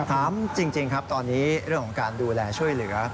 ถามจริงครับตอนนี้เรื่องของการดูแลช่วยเหลือ